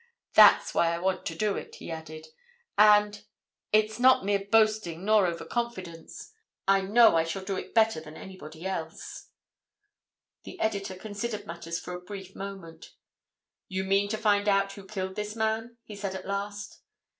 "That's why I want to do it," he added. "And—it's not mere boasting nor over confidence—I know I shall do it better than anybody else." The editor considered matters for a brief moment. "You mean to find out who killed this man?" he said at last.